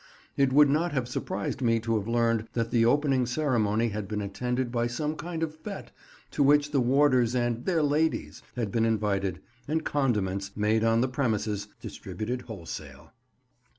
It would not have surprised me to have heard that the opening ceremony had been attended by some kind of fête, to which the warders and "their ladies" had been invited, and condiments—made on the premises—distributed wholesale.